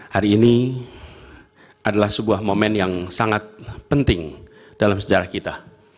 hari ini adalah sebuah momen yang sangat penting dalam sejarah kita